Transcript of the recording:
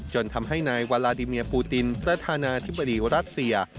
จนทำให้นายวาลาดิเมียปูตินประธานาธิบดีรัสเซีย